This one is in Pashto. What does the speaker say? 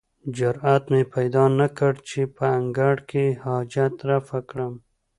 جرئت مې پیدا نه کړ چې په انګړ کې حاجت رفع کړم.